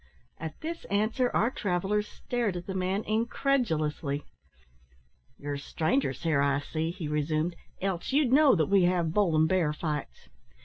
At this answer our travellers stared at the man incredulously. "You're strangers here, I see," he resumed, "else you'd know that we have bull and bear fights.